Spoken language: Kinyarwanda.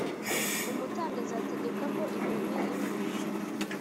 Umutambyi azategeke ko inyoni imwe